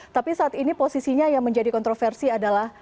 tapi saat ini posisinya yang menjadi kontroversi adalah